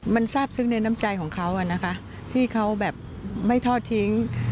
มันทราบซึ้งในน้ำใจของเขานะคะที่เขาแบบไม่ทอดทิ้ง